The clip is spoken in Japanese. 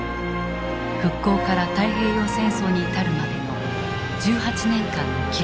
復興から太平洋戦争に至るまでの１８年間の記録である。